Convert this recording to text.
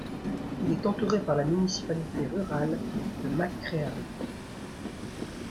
Il est entouré par la municipalité rurale de McCreary.